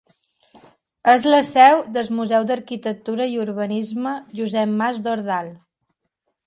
És la seu del Museu d'Arquitectura i Urbanisme Josep Mas Dordal.